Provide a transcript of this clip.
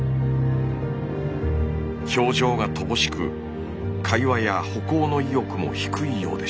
表情が乏しく会話や歩行の意欲も低いようでした。